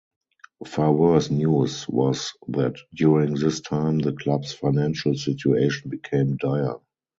Far worse news was that during this time the club's financial situation became dire.